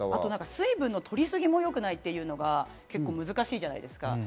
水分のとり過ぎもよくないっていうのが難しいじゃないですか。